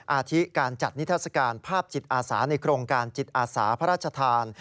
อาทิการจัดนิทัศกาลภาพจิตอาสาในโครงการจิตอาสาพระราชทาน